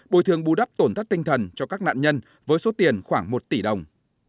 bồi thường bù đắp tổn thất tinh thần cho các nạn nhân với số tiền khoảng một tỷ đồng